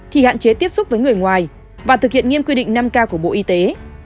thì hạn chế tiếp xúc với người ngoài và thực hiện nghiêm quy định năm k của bộ y tế